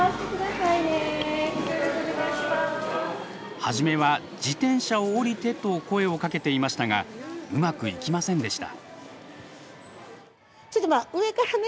初めは「自転車を降りて」と声をかけていましたがうまくいきませんでした。